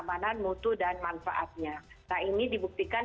ataupun memangitas yang diirutkan